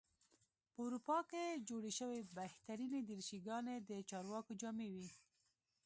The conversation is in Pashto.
په اروپا کې جوړې شوې بهترینې دریشي ګانې د چارواکو جامې وې.